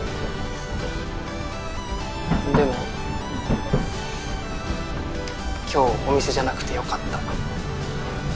でも今日お店じゃなくてよかった。